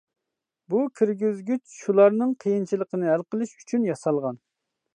بۇ كىرگۈزگۈچ شۇلارنىڭ قىيىنچىلىقىنى ھەل قىلىش ئۈچۈن ياسالغان.